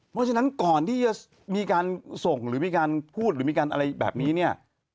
เพราะฉะนั้นก่อนที่จะมีการส่งหรือมีการพูดหรือมีการอะไรแบบนี้เนี่ย